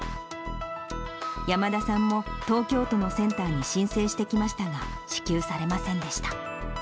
山田さんも東京都のセンターに申請してきましたが、支給されませんでした。